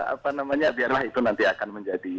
apa namanya biarlah itu nanti akan menjadi